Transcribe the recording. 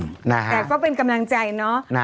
แต่ก็เป็นกำลังใจเนาะ